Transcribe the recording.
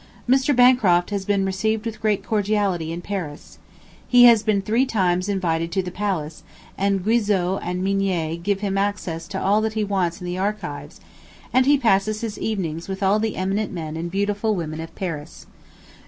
... Mr. Bancroft has been received with great cordiality in Paris. He has been three times invited to the Palace, and Guizot and Mignet give him access to all that he wants in the archives, and he passes his evenings with all the eminent men and beautiful women of Paris.